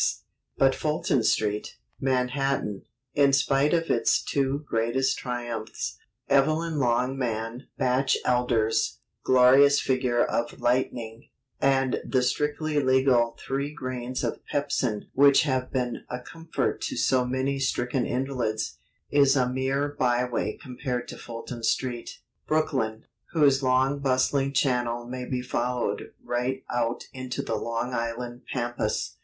[Illustration: Drawing of "Lightning" statue] But Fulton Street, Manhattan in spite of its two greatest triumphs: Evelyn Longman Batchelder's glorious figure of "Lightning," and the strictly legal "three grains of pepsin" which have been a comfort to so many stricken invalids is a mere byway compared to Fulton Street, Brooklyn, whose long bustling channel may be followed right out into the Long Island pampas.